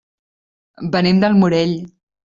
Venim del Morell.